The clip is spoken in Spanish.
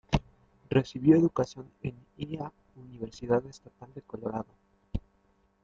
Recibió educación en lA Universidad Estatal de Colorado.